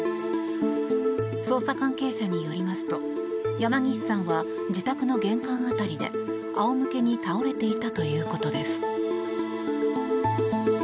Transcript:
捜査関係者によりますと山岸さんは自宅の玄関辺りで、仰向けに倒れていたということです。